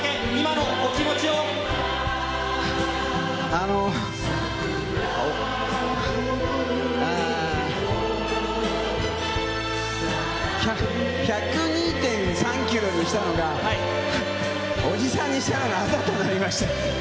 あの、あー、１０２．３キロにしたのが、おじさんにしたのがあだとなりました。